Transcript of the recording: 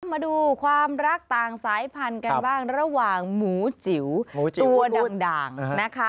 มาดูความรักต่างสายพันธุ์กันบ้างระหว่างหมูจิ๋วตัวด่างนะคะ